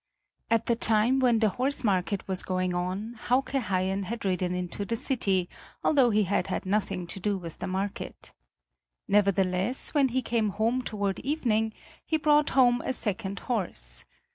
At the time when the horse market was going on Hauke Haien had ridden into the city, although he had had nothing to do with the market. Nevertheless, when he came home toward evening, he brought home a second horse.